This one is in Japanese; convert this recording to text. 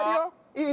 いい？